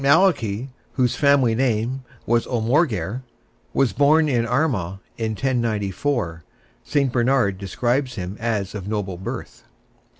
Malachy, whose family name was O'Morgair, was born in Armagh in 1094. St. Bernard describes him as of noble birth.